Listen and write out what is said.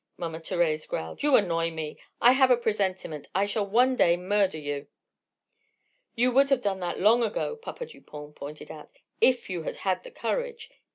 Mama Thérèse growled. "You annoy me. I have a presentiment I shall one day murder you." "You would have done that long ago," Papa Dupont pointed out, "if you had had the courage.